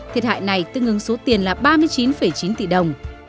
thiệt hại này tương ứng số tiền là ba mươi chín chín tỷ đồng